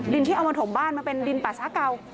ที่เอามาถมบ้านมันเป็นดินป่าช้าเก่า